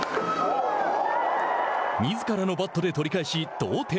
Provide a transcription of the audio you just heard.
みずからのバットで取り返し同点。